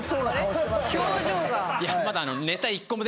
表情が。